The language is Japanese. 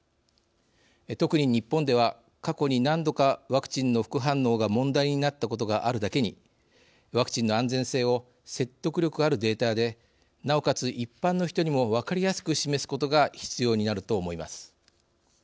特に、日本では過去に何度かワクチンの副反応が問題になったことがあるだけにワクチンの安全性を説得力あるデータでなおかつ、一般の人にも分かりやすく示すことが必要になると思います。